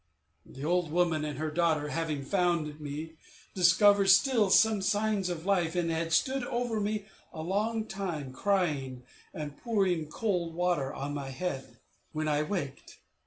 The old woman and her daughter having found me, discovered still some signs of life, and had stood over me a long time, crying, and pouring cold water on my head, when I waked.